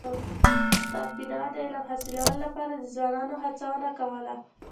استاد بينوا د علم حاصلولو لپاره د ځوانانو هڅونه کوله.